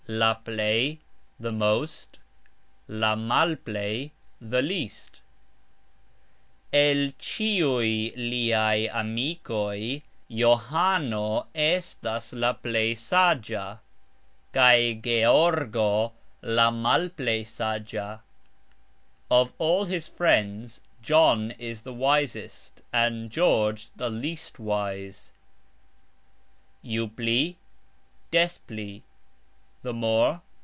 "la plej", the most, "la malplej", the least: "El cxiuj liaj amikoj Johano estas la plej sagxa, kaj Georgo la malplej sagxa", Of all his friends John is the wisest, and George the least wise. "Ju pli...des pli", the more...